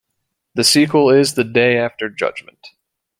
The sequel is "The Day After Judgment".